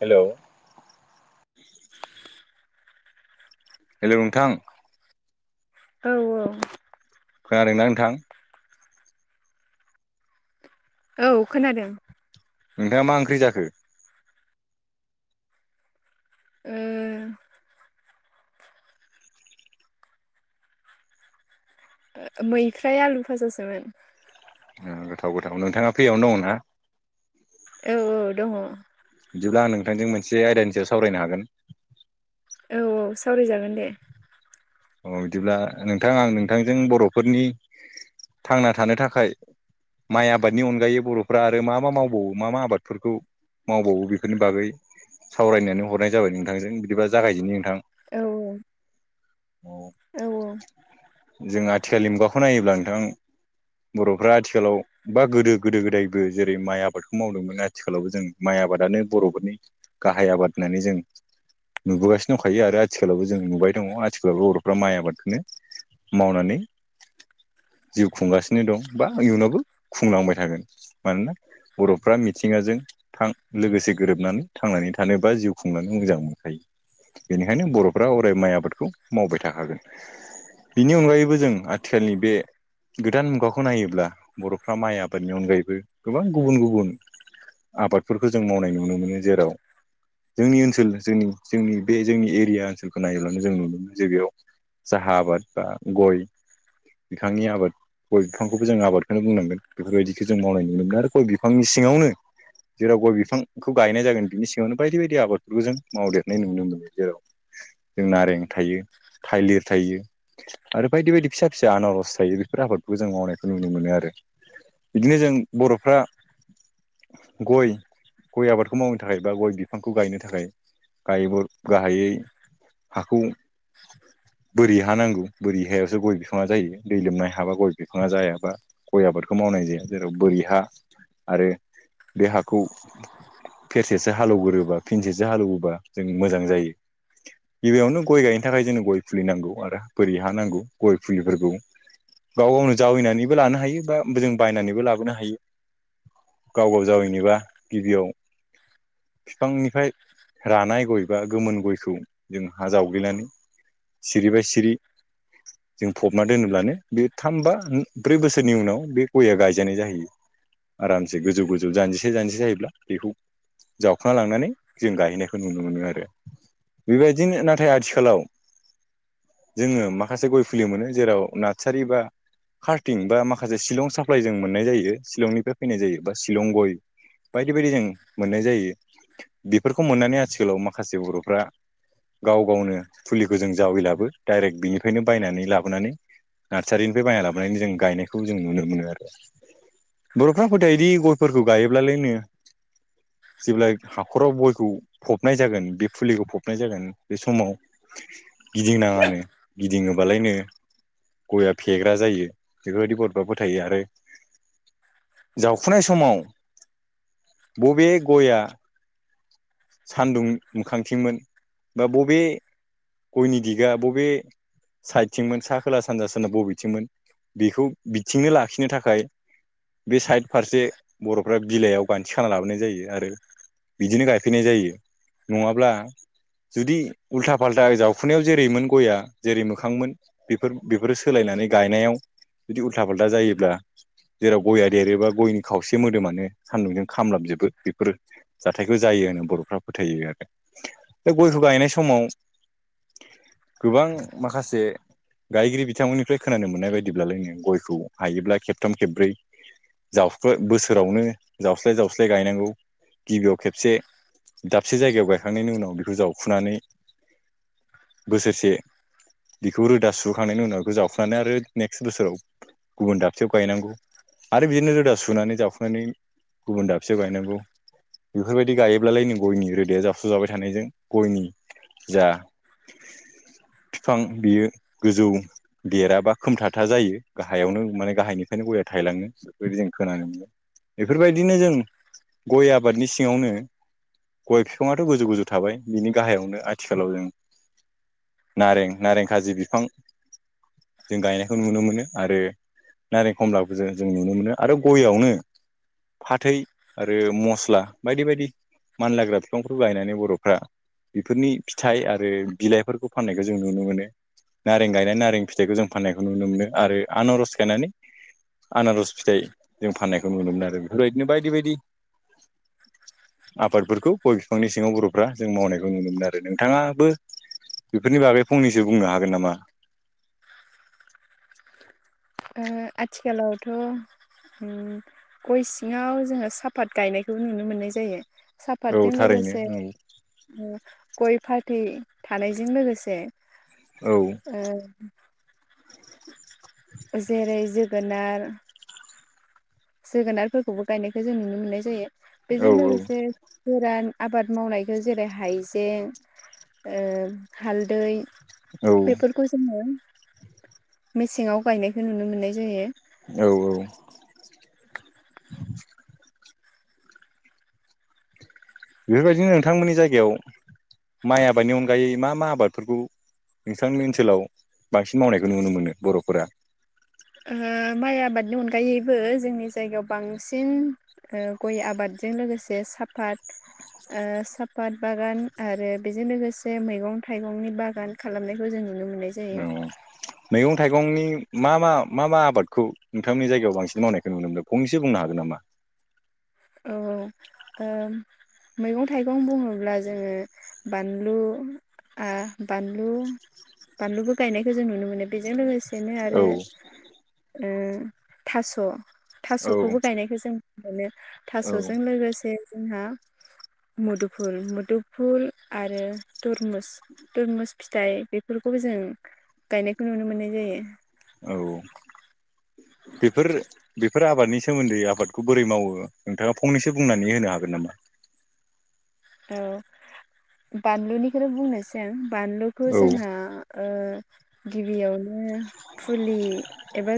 Hello [inaudible] hello नोंथां। औ औ खोनादों ना नोंथां? औ खोनादों। नोंथाङा मा ओंख्रै जाखो? ओ ओ ओ मैफ्राय आलु भाजासोमोन। गोथाव गोथाव नोंथाङा फ्रियावनो दङ ना? औ औ दङ। बिदिब्ला आं नोंथांजों मोनसे आयदानि सायाव सावरायनो हागोन। औ औ सावरायजागोन दे। औ बिदिब्ला नोंथां आं नोंथांजों बर'फोरनि थांना थानो थाखाय माइ आबादनि अनगायै बर'फ्रा आरो मा मा मावबावो मा मा आबादफोरखौ? मावबावो बेफोरनि बागै सावरायनानै हरनाय जाबाय नोंथांजों बिदिबा जागायदोनि नोंथां? औ औ जों आथिखालनि मुगाखौ नायोब्ला नोंथां बर'फ्रा आथिखालाव बा गोदो गोदो गोदायबो जेरै माइ आबादखौ मावदोंमोन आथिखालावबो जों माइ आबादानो बर'फोरनि गाहाय आबाद होननानै जों नुबोगासिनो दंखायो आरो आथिखालावबो जों नुबाय दङ आथिखाल बर'फ्रा माइ आबादखौनो मावनानै जिउ खुंगासिनो दं बा इयुनावबो खुंलांबाय थागोन मानोना बर'फ्रा मिथिंगाजों थां लोगोसे गोरोबनानै थांनानै थानोबा जिउ खुंनानै मोजां मोनखायो। बेनिखायनो बर'फ्रा अराय माइ आबादखौ मावबाय थाखागोन। बेनि अनगायैबो जों आथिखालनि बे गोदान मुगाखौ नायोब्ला बर'फ्रा माइ आबादनि अनगायैबो गोबां गुबुन गुबुन आबादफोरखौ जों मावनाय नुनो मोनो जेराव जोंनि ओनसोल जोंनि जोंनि बे जोंनि एरिया ओनसोलखौ नायोब्लानो जों नुनो मोनो जे बेयाव साहा आबाद बा गय बिखांनि आबाद गय बिफांखौबो जोंङ आबादखौनो बुंनांगोन बेफोरबायदिखौो जों मावनाय नुनो मोनो आरो गय बिफांनि सिङावनो जेराव गय बिफांखौ गायनाय जागोन बिनि सिगाङावनो बायदि बायदि आबादफोरखौ जों मावदेरनाय नुनो मोनो जेराव जों नारें थायो। थाइलिर थायो। आरो बायदि बायदि फिसा फिसा आनारज थायो बेफोर आबादखौ जों मावनायखौ नुनो मोनो आरो। बिदिनो जों बर'फ्रा गय गय आबादखौ मावनो थाखाय बा गय बिफांखौ गायनो थाखाय गायबो गाहायै हाखौ बोरै हा नांगौ बोरै हायावसो गय बिफाङा जायो दै लोमनाय हाबा गय बिफाङा जायाबा गय आबादखौ मावनाय जाया जेराव बोरि हा आरो बे हाखौ फेरसे से हालौवगोरोबा फिनसेसो हालौबा जों मोजां जायो गिबियावनो गायनो नि थाखाय जो गय फुलि नांगोन। आरो बोरै हा नांगौ गय फुलिफोरखौ गाव गावनो जावैनानैबो लानो हायो बा जों बायनानैबो लाबोनो हायो गाव गाव जावैनोबा गिबियाव बिफांनिफ्राय रानाय गय बा गोमोन गयखौ जों हा जावगलिनानै सिरिबाय सिरि जों फबना दोनोब्लानो बे थाम बा ब्रै बोसोरनि उनाव बे गया गायजानाय जाहैयो आरामसे गोजौ गोजौ जानजिसे जानजिसे जायोब्ला बेखौ जावखांना लांनानै जों गायहैनायखौ नुनो मोनो आरो बेबायदिनो नाथाय आथिखालाव जोङो माखासे गय फुलि मोनो जेराव नार्सारि बा कार्टिं बा माखासे शिलं साप्लााय जों मोननाय जायो शिलंनिफ्राय फैनाय जायो बा शिलं गय बायदि बायदि जों मोननाय जायो बेफोरखौ मोननानै आथिखालाव माखासे बर'फ्रा गाव गावनो फुलिखौ जों जावैलाबो डाइरेक्ट बिनिफ्रायनो बायनानै लाबोनानै नार्सारिनिफ्राय बायना लाबोनानै जों गायनायखौ जों नुनो मोनो आरो बर'फ्रा फोथाय बिदि गयफोरखौ गायोब्लालाय नो जेब्ला हाखराव गयखौ फबनाय जागोन बे फुलिखौ फबनाय जागोन बे समाव गिदिंनाङानो गिदिङोबालायनो गया फेग्रा जायो बेफोरबायदि बर' फोरा फोथायो आरो जावखुनाय समाव बबे गया सानदुं मोखांथिंमोन बा बबे गयनि दिगा बबे साइदथिंमोन साहा खोला सानजा सोनाब बबेथिंमोन बेखौ बिथिंनो लाखिनो थाखाय बे साइड फारसे बर'फ्रा बिलाइयाव गान्थि खाना लाबोनाय जायो आरो बिदिनो गाय फिनाय जायो नङाब्ला जुदि उल्था फाल्था जावखुनायाव जेरैमोन गया जेरै मोखाांमोन बेफोर बेफोरो सोलायनानै गायनायाव जुदि उल्था फाल्था जायोब्ला जेराव गया देरोबा गयनि खावसे मोदोमानो सान्दुंजों खामलाबजोबो बेफोरो जाथायखौ जायो होनो बर'फ्रा फोथायो आरो दा गयखौ गायनाय समाव गोबां माखासे गायगिरि बिथांमोननिफ्राय खोनानो मोननाय बायदिब्लालायनो गयखौ हायोब्ला खेबथाम खेब्रै जावस्ल बोसोरावनो जावस्लाय जावस्लाय गायनांगौ गिबियाव खेबसे दाबसे जायगायाव गायखांनायनि उनाव बेखौ जावखुनानै बोसोरसे बिखौ रोदा सुखांनायनि उनाव जावखुनानै आरो नेक्स्ट बोसोराव गुबुन दाबसेयाव गायनांगौ आरो बिदिनो रोदा सुनानै जावफुनानै गुबुन दाबसेयाव गायनांगौ बेफोरबायदि गायो बिदिब्लालायनो गयनि रोदाया जावसजाबाय थानायजों गयनि जा फिफां बियो गोजौ देराबा खोमथाथा जायो गाहायावनो माने गाहायनिफ्रायनो गया थायलाङो बेफोरदि जों खोनानो मोनो बेफोरबायदिनो जों गय आबादनि सिङावनो गय बिफाङाथ गोजौ गोजौ थाबाय बिनि गाहायावनो आथिखालाव जों नारें नारें खाजि बिफां जों गायनायखौ नुनो मोनो आरो नारें खमलाखौ जों जों नुनो मोनो आरो गयावनो फाथै आरो मस्ला बायदि बायदि मानलाग्रा बिफांफोरखौ गायनानै बर'फ्रा बेफोरनि फिथाइ आरो बिलाइफोरखौ फाननायखौ जों नुनो मोनो नारें गायनाय नारें फिथाइखौ जों फाननायखौ नुनो मोनो आरो आनारज गायनानै आनारस फिथाइ जों फाननायखौ नुनो मोनो आरो बेफोरबायदिनो बायदि बायदि आफादफोरखौ गय बि फांनि सिङाव बर'फ्रा जों मावनायखौ नुनो मोनमोन आरो नोंथाङाबो बेफोरनि बागै फंनैसो बुंनो हागोन नामा [inaudible] ओ आथिखालावथ' ओम गय सिङांव जोंङो साफात गायनायखौ नुनो मोननाय जायो औ साफातजों थारैनो लोगोसे ओम गय फथै थानायजों लोगोसे औ ओ जेरै जोगोनार जोगोनारफोरखौबो गायनायखौ जों नुनो मोननाय जायो औ बेजों लोगोसे गोरान आबाद मावनायखौ जेरै हाइजें ओ हालदै औ बेफोरखौ जोंङो मेसेंआव गायनायखौ नुनो मोननाय जायो। औ औ बेफोरबायदिनो नोंथांमोननि जायगायाव माइ आबादनि अनगायै मा मा आबादफोरखौ नोंथांनि ओनसोलाव बांसिन मावनायखौ नुनो मोनो बर'फोरा ओ माइ आबादनि अनगायैबो जोंनि जायगायाव बांसिन ओ गय आबादजों लोगोसे साफात ओ सापात बागान आरो बेजों लोगोसे मैगं थाइगंनि बागान खालामनायखौ जों नुनो मोननायसै औ मैगं-थाइगंनि मा मा मा मा आबादखौ नोंथांमोननि जायगायाव बांसिन मावनायखौ नुनो मोनदों फंनैसो बुंनो हागोन नामा? ओ ओ मैगं-थाइगं बुङोब्ला जोंङो बानलु आ बानलु बानलुबो गायनायखौ जों नुनो मोनो बेजों लोगोसे बेनो औ आरो ओ थास' औ थास'खौबो गायनाय जों मोनो औ थास'जों लोगोसे जोंहा मुदुफुल मुदुफुल आरो तरमुस तरमुस फिथाइ बेफोरखौबो जों गायनायखौ नुनो मोननाय जायो। औ बेफोर बेफोर आबादनि सोमोन्दै आबादखौ बोरै मावो नोंथाङा फंनैसो बुंनानै होनो हागोन नामा? औ बानलुनिखौनो बुंनोसै आं बानलुखौ औ जोंहा ओ गिबियावनो फुलि एबा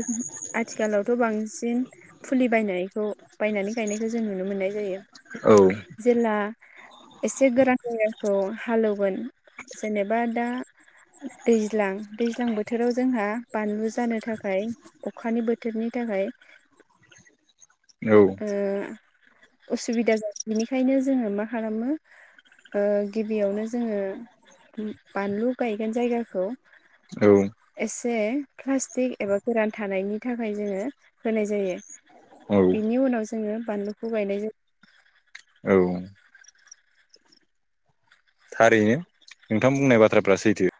आथिखालावथ' बांसिन फुलि बायनायखौ बायनानै गायनायखौ जों नुनो मोननाय जायो। औ जेला एसे गोरान जायखौ हालौगोन जेनेबा दा दैज्लां दैज्लां बोथोराव जोंहा बानलु जानो थाखाय अखानि बोथोरनि थाखाय ओ उसुबिदा जायो बेनिखायनो जोंङो मा खालामो ओ गिबियावनो जोंङो बानलु गायगोन जायगाखौ औ एसे प्लास्टिक एबा गोरान थानायनि थाखाय जोंङो होनाय जायो औ बिनि उनाव जोंङो बानलुखौ गायनाय जायो। औ थारैनो नोंथां बुंनाय बाथ्राफ्रा सैथो